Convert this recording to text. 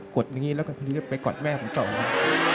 กดอย่างนี้แล้วก็ไปกอดแม่ผมต่อมา